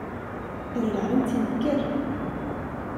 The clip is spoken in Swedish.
Är det där en tiger?